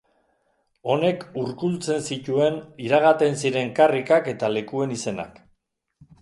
Honek urkultzen zituen iragaten ziren karrikak eta lekuen izenak.